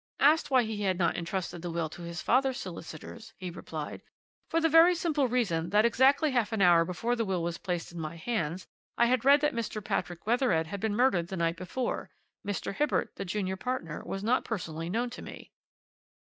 "Asked why he had not entrusted the will to his father's solicitors, he replied: "'For the very simple reason that exactly half an hour before the will was placed in my hands, I had read that Mr. Patrick Wethered had been murdered the night before. Mr. Hibbert, the junior partner, was not personally known to me.'